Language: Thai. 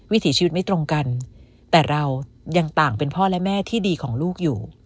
วิถีชีวิตไม่ตรงกันแต่เรายังต่างเป็นพ่อและแม่ที่ดีของลูกอยู่